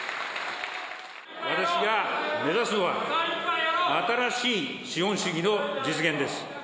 私が目指すのは、新しい資本主義の実現です。